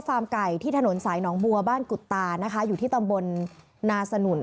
ไก่ที่ถนนสายหนองบัวบ้านกุตานะคะอยู่ที่ตำบลนาสนุน